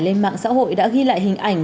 lên mạng xã hội đã ghi lại hình ảnh